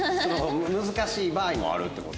難しい場合もあるって事？